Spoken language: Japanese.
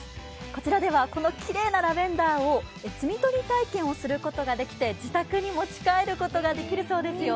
こちらではこのきれいなラベンダーを摘み取り体験ができて自宅に持ち帰ることができるそうですよ。